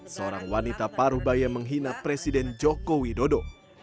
seorang wanita paruh baya menghina presiden joko widodo